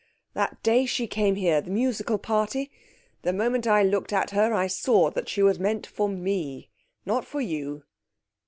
That day she came here the musical party the moment I looked at her, I saw that she was meant for me, not for you.'